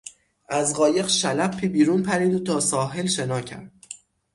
از قایق شلپی بیرون پرید و تا ساحل شنا کرد.